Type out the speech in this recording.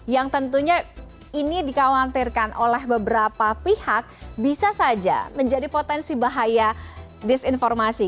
yang tentunya ini dikhawatirkan oleh beberapa pihak bisa saja menjadi potensi bahaya disinformasi